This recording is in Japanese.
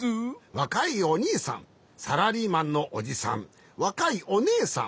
わかいおにいさんサラリーマンのおじさんわかいおねえさん。